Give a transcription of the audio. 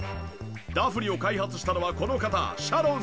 ダフニを開発したのはこの方シャロンさん。